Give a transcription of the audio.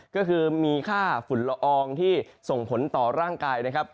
ก็คือมีค่าฝุ่นละอองที่ส่งผลต่อร่างกายนะครับ